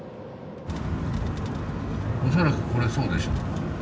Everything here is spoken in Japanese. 恐らくこれそうでしょ。